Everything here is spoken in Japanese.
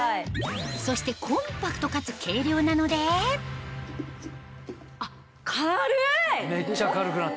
そしてコンパクトかつ軽量なのでめっちゃ軽くなった。